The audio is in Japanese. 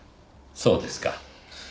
そうですか。